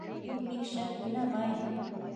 Мин бик шәп уйнамайым